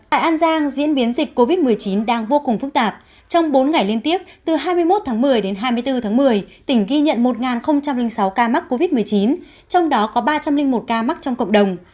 tại an giang diễn biến dịch covid một mươi chín đang vô cùng phức tạp trong bốn ngày liên tiếp từ hai mươi một tháng một mươi đến hai mươi bốn tháng một mươi tỉnh ghi nhận một sáu ca mắc covid một mươi chín trong đó có ba trăm linh một ca mắc trong cộng đồng